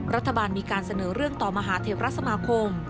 รัฐบาลมีการเสนอเรื่องต่อมหาเทวรัฐสมาคม